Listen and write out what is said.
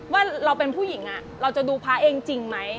ว่าเราเป็นผู้หญิงเราจะดูพระเองจริงไหม